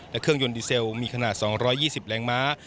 และเครื่องยนต์ดีเซลมีขนาด๒๒๐แรงม้า